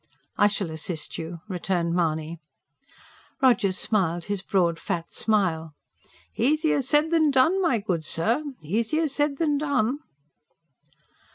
"I shall assist you," returned Mahony. Rogers smiled his broad, fat smile. "Easier said than done, my good sir! ... easier said than done."